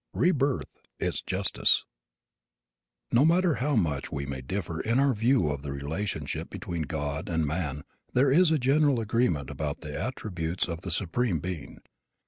REBIRTH: ITS JUSTICE No matter how much we may differ in our view of the relationship between God and man there is general agreement about the attributes of the Supreme Being.